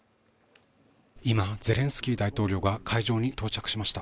今ゼレンスキー大統領が会場に到着しました